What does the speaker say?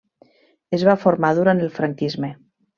Es va formar durant el franquisme.